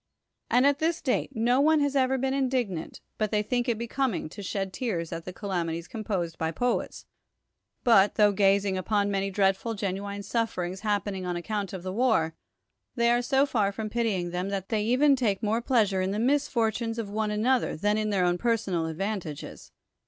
And at this no one has ever been indignant, but they think it becoming to shed tears at the calamities composed by poets, but, tho gazing upon many dreadful genuine sufferings happening on ac count of the war, they are so far from pitying them, that they even take more pleasure in the misfortunes of one another than in their own personal advantages.